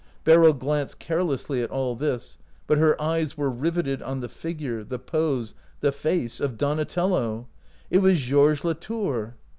Beryl glanced carelessly at all this, but her eyes were riv eted on the figure, the pose, the face of Donatello. It was Georges Latour